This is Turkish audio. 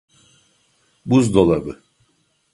Buzdolabı…